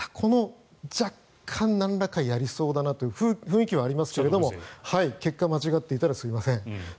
若干なんらかはやりそうだなという雰囲気はありますけれど結果、間違っていたらすみません。